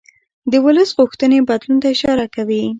د ولس غوښتنې بدلون ته اشاره کوي